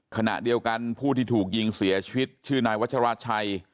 ขณะเดียวกันผู้ที่ถูกยิงเสียชีวิตชื่อนายวัชราชัย